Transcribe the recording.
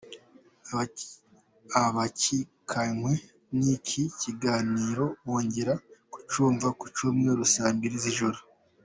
Abacikanywe n’iki kiganiro bongera kucyumva ku cyumweru saa mbili z’ijoro.